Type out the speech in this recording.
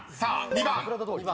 ２番］